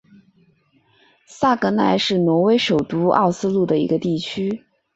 萨格奈是挪威首都奥斯陆的一个地区。